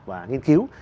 và nghiên cứu